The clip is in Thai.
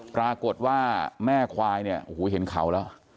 ปรากฏว่าแม่ควายเนี่ยโอ้โหเห็นเขาแล้ว